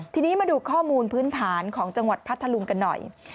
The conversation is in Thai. ทีนี้มาดูข้อมูลพื้นฐานของจังหวัดพัทธลุงกันหน่อย